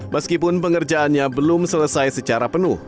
meskipun pengerjaannya belum selesai secara penuh